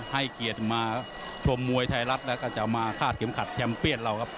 ให้เกียรติมาชมมวยไทยรัฐแล้วก็จะมาคาดเข็มขัดแชมป์เปี้ยนเราครับ